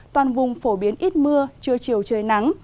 toàn vùng phổ biến ít mưa trưa chiều trời nắng